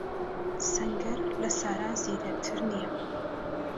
سەنگەر لە سارا زیرەکتر نییە.